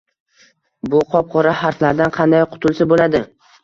Bu qop-qora harflardan qanday qutulsa bo‘ladi?